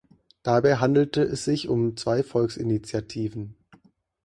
Dabei handelte es sich um zwei Volksinitiativen.